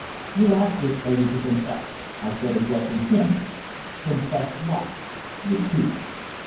"You asked this lady to confess," I said, addressing him. "Confess what?" "The truth."